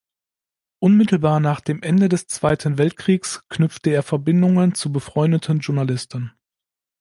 Unmittelbar nach dem Ende des Zweiten Weltkriegs knüpfte er Verbindungen zu befreundeten Journalisten.